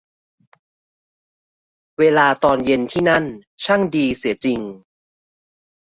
เวลาตอนเย็นที่นั่นช่างดีเสียจริง